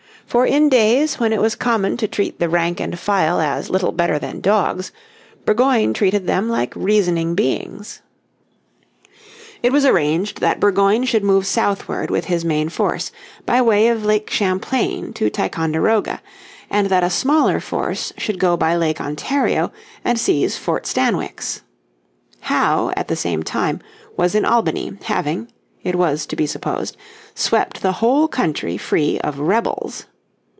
For in days when it was common to treat the rank and file as a little better than dogs, Burgoyne treated them like reasoning beings. It was arranged that Burgoyne should move southward with his main force, by way of Lake Champlain to Ticonderoga, and that a smaller force should go by Lake Ontario and seize Fort Stanwix. Howe, at the same time, was in Albany, having, it was to be supposed, swept the whole country free of "rebels."